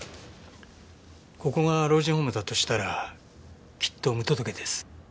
ここが老人ホームだとしたらきっと無届けです。